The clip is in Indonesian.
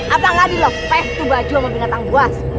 apakah dilefek tuh baju sama binatang buas